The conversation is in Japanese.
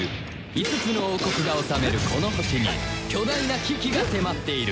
５つの王国が治めるこの星に巨大な危機が迫っている